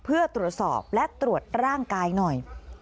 เพื่อตรวจสอบและตรวจร่างกายหน่อย